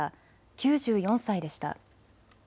９４歳でした。